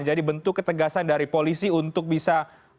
jadi bentuk ketegasan dari polisi untuk bisa